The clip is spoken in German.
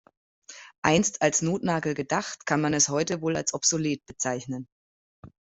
Einst als Notnagel gedacht, kann man es heute wohl als obsolet bezeichnen.